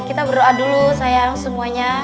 kita berdoa dulu sayang semuanya